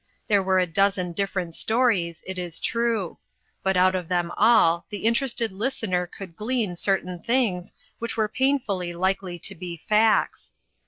There were a dozen different sto ries, it is true ; but out of them all the in terested listener could glean certain things which were painfully likely to be facts.